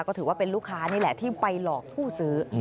ก็ถือว่าเป็นลูกค้านี่แหละที่ไปหลอกผู้ซื้อ